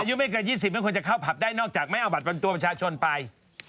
อายุไม่เกิน๒๐ไม่ควรจะเข้าผับได้นอกจากไม่เอาบัตรบรรตัวประชาชนไป